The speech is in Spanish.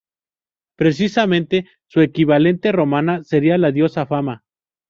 Precisamente su equivalente romana sería la diosa Fama.